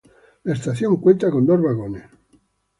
La estación cuenta con dos vagones.